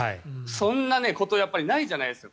そんなことないじゃないですか。